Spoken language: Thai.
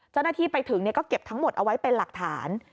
เจ้าหน้าที่ไปถึงก็เก็บทั้งหมดเอาไว้เป็นหลักฐาน